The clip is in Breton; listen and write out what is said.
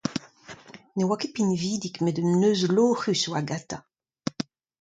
Ne oa ket pinvidik, met un neuz loc'hus a oa gantañ.